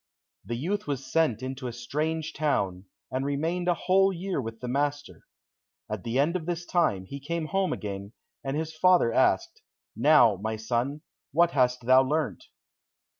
The youth was sent into a strange town, and remained a whole year with the master. At the end of this time, he came home again, and his father asked, "Now, my son, what hast thou learnt?"